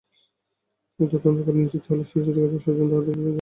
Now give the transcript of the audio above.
তদন্ত করে নিশ্চিত হলে শিশুটিকে তাঁর স্বজনদের হাতে তুলে দেওয়া হবে।